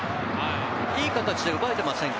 いい形で奪えていませんか？